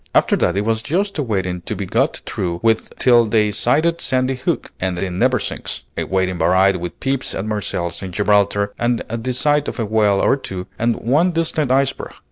After that it was just a waiting to be got through with till they sighted Sandy Hook and the Neversinks, a waiting varied with peeps at Marseilles and Gibraltar and the sight of a whale or two and one distant iceberg.